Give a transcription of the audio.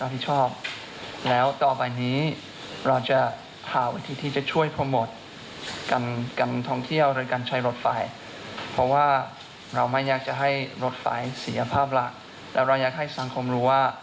แต่เราอยากให้สังคมรู้ว่า